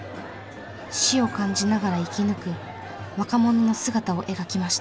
死を感じながら生き抜く若者の姿を描きました。